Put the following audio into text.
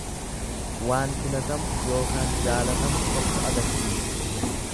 Waan filatamu ykn jaalatamu tokko agarsiisa.